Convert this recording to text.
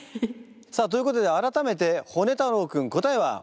さあということで改めてホネ太郎君答えは？